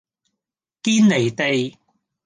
堅離地